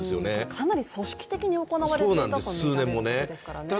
かなり組織的に行われていたということですからね。